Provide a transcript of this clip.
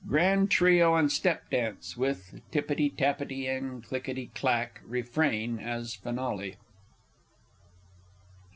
[_Grand Trio and Step dance, with "tippity tappity," and "clickity clack" refrain as finale.